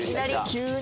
急に。